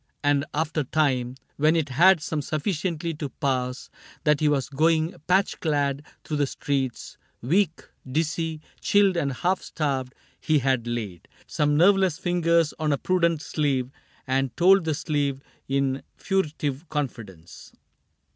And after time. When it had come sufficiently to pass That he was going patch clad through the streets. Weak, dizzy, chilled, and half starved, he had laid . Some nerveless fingers on a prudent sleeve And told the sleeve, in furtive confidence.